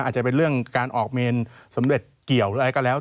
อาจจะเป็นเรื่องการออกเมนสำรวจเกี่ยว